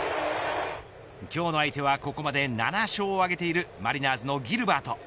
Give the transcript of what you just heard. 今日の相手はここまで７勝を挙げているマリナーズのギルバート。